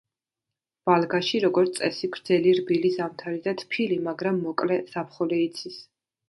ვალგაში, როგორც წესი, გრძელი რბილი ზამთარი და თბილი, მაგრამ მოკლე ზაფხული იცის.